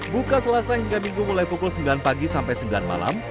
buka selasa hingga minggu mulai pukul sembilan pagi sampai sembilan malam